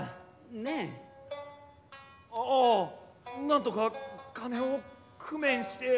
なんとか金を工面して。